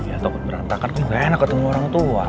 ya takut berantakan tuh gak enak ketemu orang tua